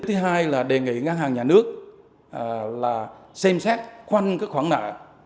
thứ hai là đề nghị ngân hàng nhà nước xem xét khoanh khoản nợ